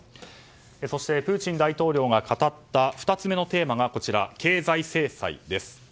そしてプーチン大統領が語った２つ目のテーマが経済制裁です。